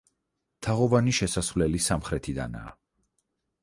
თაღოვანი შესასვლელი სამხრეთიდანაა.